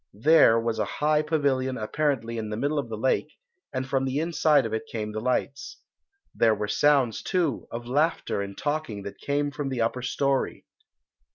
There was a high pavilion apparently in the middle of the lake, and from the inside of it came the lights. There were sounds, too, of laughter and talking that came from the upper storey.